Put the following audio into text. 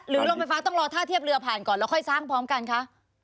โรงไฟฟ้าต้องรอท่าเทียบเรือผ่านก่อนแล้วค่อยสร้างพร้อมกันคะ